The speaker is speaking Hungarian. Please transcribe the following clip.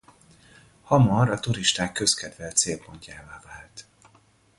Hamar a turisták közkedvelt célpontjává vált.